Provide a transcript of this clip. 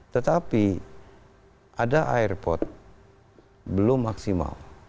tetapi ada airport belum maksimal